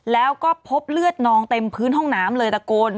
แล้วก็พบเลือดนองเต็มพื้นห้องน้ำเลยตะโกน